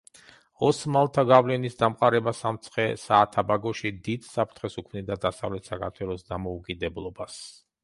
ოსმალთა გავლენის დამყარება სამცხე-საათაბაგოში დიდ საფრთხეს უქმნიდა დასავლეთ საქართველოს დამოუკიდებლობას.